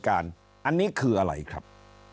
อันนี้คืออะไรครับ